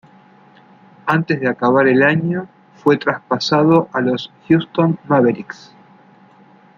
Antes de acabar el año fue traspasado a los Houston Mavericks.